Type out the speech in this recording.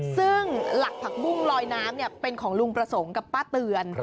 ซึ่งหลักผักบุ้งลอยน้ำเป็นของลุงประสงค์กับป้าเตือน